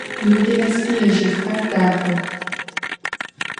Люди Аси яжьыфхэр дахэх.